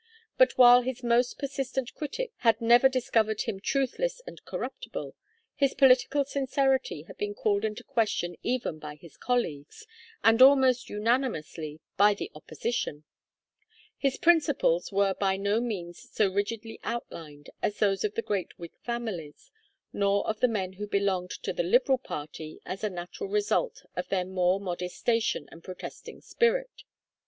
But while his most persistent critics had never discovered him truthless and corruptible, his political sincerity had been called into question even by his colleagues, and almost unanimously by the opposition. His principles were by no means so rigidly outlined as those of the great Whig families, nor of the men who belonged to the Liberal party as a natural result of their more modest station and protesting spirit.